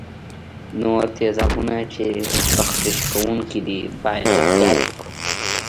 نور تیزابونه چې تخریش کوونکي دي باید احتیاط وکړو.